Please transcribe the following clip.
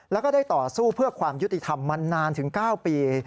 แล้วก็ได้ต่อสู้เพื่อความยุติธรรมมานานถึง๙ปี